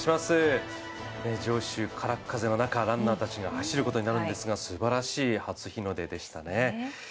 上州空っ風の中、ランナーたちが走ることになるんですが、すばらしい初日の出でしたね。